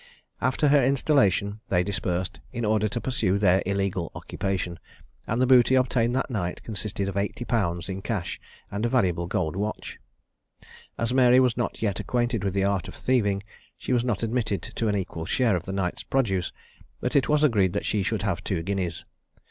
After her installation they dispersed, in order to pursue their illegal occupation; and the booty obtained that night consisted of eighty pounds in cash and a valuable gold watch. As Mary was not yet acquainted with the art of thieving, she was not admitted to an equal share of the night's produce; but it was agreed that she should have two guineas.